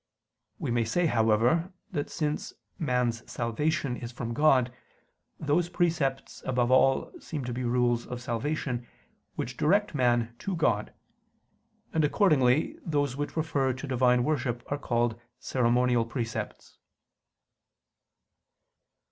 We may say, however, that, since man's salvation is from God, those precepts above all seem to be rules of salvation, which direct man to God: and accordingly those which refer to Divine worship are called ceremonial precepts.